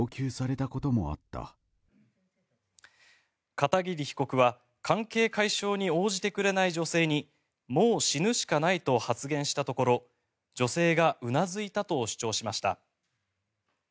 片桐被告は関係解消に応じてくれない女性にもう死ぬしかないと発言したところ女性がうなずいたと主張しました。